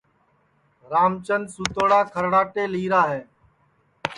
رام چند سُوتوڑا کھرڑاٹے لیرا ہے